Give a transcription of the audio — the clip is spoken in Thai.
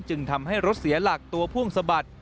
จึงทำให้รถเสียหลักตัวพุ่งสะบัด